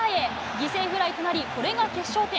犠牲フライとなり、これが決勝点。